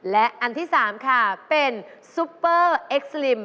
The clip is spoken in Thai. และอันที่๓ค่ะเป็นซุปเปอร์เอ็กซลิม